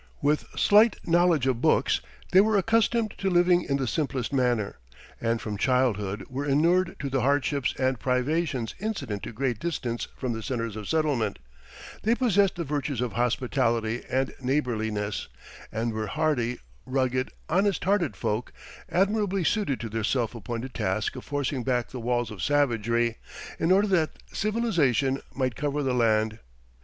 With slight knowledge of books, they were accustomed to living in the simplest manner, and from childhood were inured to the hardships and privations incident to great distance from the centers of settlement; they possessed the virtues of hospitality and neighborliness, and were hardy, rugged, honest hearted folk, admirably suited to their self appointed task of forcing back the walls of savagery, in order that civilization might cover the land.